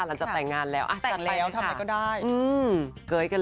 หลังจากแต่งงานแล้วแต่งแล้วค่ะอืมเกย์กันเลยแต่งแล้วทำไมก็ได้